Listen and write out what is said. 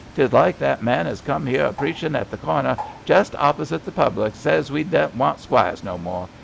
'Tes like that man as come 'ere a preachin' at the earner, just opposite the public, and zays we dedn't want squires no more.